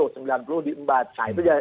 sepuluh sembilan puluh di empat nah itu